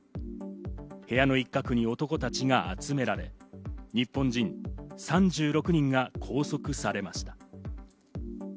部屋の一角に男たちが集められ、日本人３６人が拘束されました。